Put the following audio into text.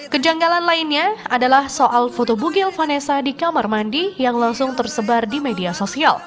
kejanggalan lainnya adalah soal foto bugil vanessa di kamar mandi yang langsung tersebar di media sosial